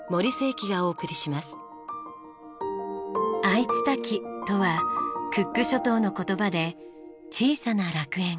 アイツタキとはクック諸島の言葉で小さな楽園。